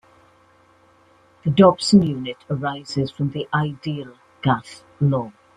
The Dobson Unit arises from the ideal gas law.